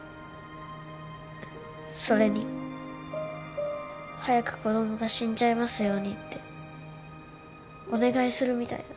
それに早く子供が死んじゃいますようにってお願いするみたいだ。